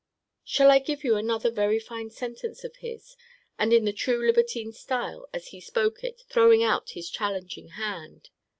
Shall I give you another very fine sentence of his, and in the true libertine style, as he spoke it, throwing out his challenging hand?